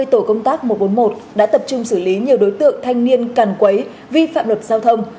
ba mươi tổ công tác một trăm bốn mươi một đã tập trung xử lý nhiều đối tượng thanh niên cằn quấy vi phạm luật giao thông